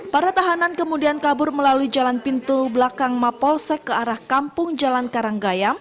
para tahanan kemudian kabur melalui jalan pintu belakang mapolsek ke arah kampung jalan karanggayam